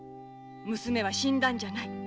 娘は死んだんじゃない」